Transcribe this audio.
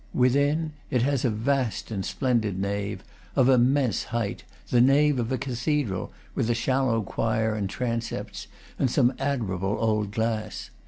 Within, it has a vast and splendid nave, of immense height, the nave of a cathedral, with a shallow choir and transepts, and some admir able old glass.